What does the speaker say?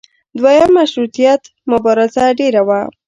دویم مشروطیت مبارزه ډېره وه.